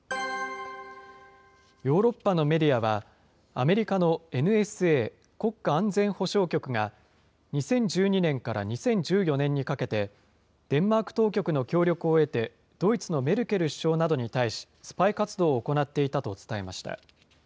ヨーロッパのメディアは、アメリカのＮＳＡ・国家安全保障局が２０１２年から２０１４年にかけてデンマーク当局の協力を得て、ドイツのメルケル首相などに対しスパイ活動を行っていたと伝えました。